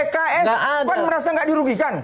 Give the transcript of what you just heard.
pks kan merasa gak dirugikan